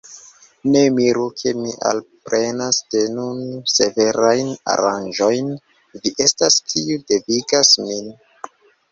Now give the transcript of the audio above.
Ne miru, ke mi alprenas de nun severajn aranĝojn: vi estas, kiu devigas min.